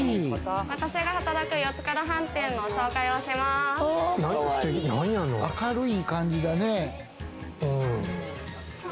私が働く四つ角飯店の紹介を明るい感じだね。